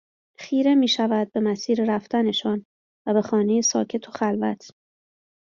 خیره میشود به مسیر رفتنشان و به خانه ساکت و خلوت